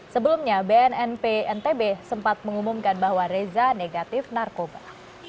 sebelumnya bnnp ntb sempat mengumumkan bahwa reza negatif narkoba